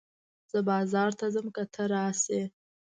زه بازار ته ځم که ته راسې